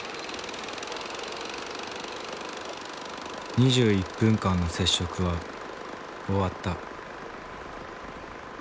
２１分間の接触は終わった。